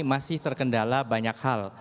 masih terkendala banyak hal